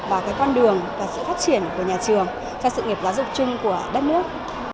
vào con đường và sự phát triển của nhà trường cho sự nghiệp giáo dục chung của đất nước